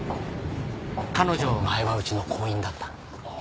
彼女前はうちの行員だったの。